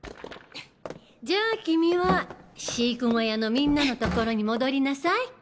じゃあ君は飼育小屋のみんなの所に戻りなさい。